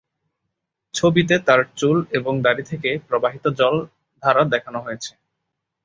ছবিতে তাঁর চুল এবং দাড়ি থেকে প্রবাহিত জল ধারা দেখানো হয়েছে।